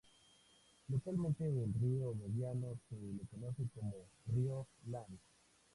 Localmente al río Mediano se le conoce como río Lantz.